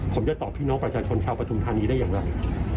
ผมจะตอบพี่น้องประชาชนชาวปฐุมธานีได้อย่างไร